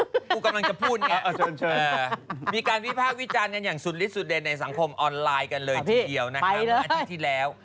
กูกำลังจะพูดเนี่ยมีการวิภาควิจารณ์กันอย่างสุดลิดในสังคมออนไลน์กันเลยทีเดียวนะครับอาทิตย์ที่แล้ว